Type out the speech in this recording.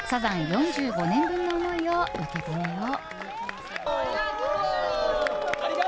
４５年分の思いを受け止めよう。